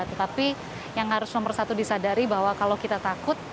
tetapi yang harus nomor satu disadari bahwa kalau kita takut